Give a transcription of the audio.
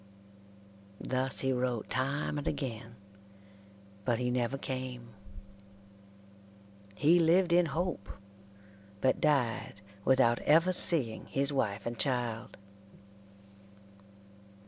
Thus he wrote time and again, but he never came. He lived in hope, but died without ever seeing his wife and child.